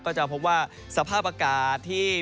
ก็จะพบว่าสภาพอากาศที่